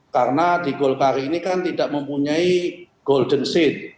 karena di golkar ini kan tidak mempunyai golden seed